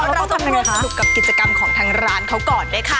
เราต้องควบคุมกับกิจกรรมของทางร้านเขาก่อนด้วยค่ะ